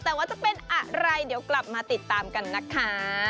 แต่ว่าจะเป็นอะไรเดี๋ยวกลับมาติดตามกันนะคะ